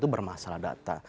itu bermasalah data